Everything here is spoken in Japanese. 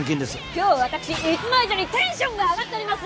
今日は私いつも以上にテンションが上がっております！